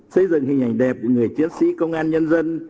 xây dựng hình ảnh đẹp của người chiến sĩ công an nhân dân